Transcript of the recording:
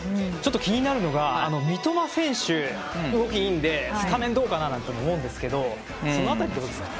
気になるのが三笘選手動きがいいのでスタメンどうかなと思うんですけどその辺り、どうですか？